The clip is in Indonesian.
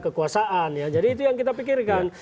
kekuasaan ya jadi itu yang kita pikirkan